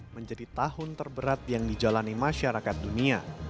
dua ribu dua puluh menjadi tahun terberat yang dijalani masyarakat dunia